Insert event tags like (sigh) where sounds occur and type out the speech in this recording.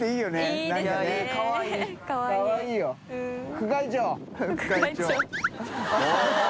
副会長 (laughs)